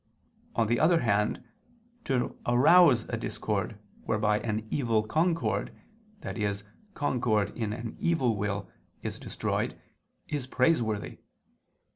On the other hand, to arouse a discord whereby an evil concord (i.e. concord in an evil will) is destroyed, is praiseworthy.